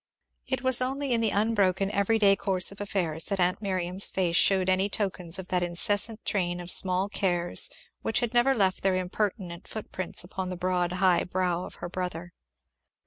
It was only in the unbroken everyday course of affairs that aunt Miriam's face shewed any tokens of that incessant train of small cares which had never left their impertinent footprints upon the broad high brow of her brother.